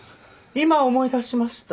今思い出しました。